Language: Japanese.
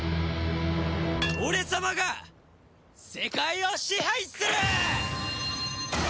俺様が世界を支配する！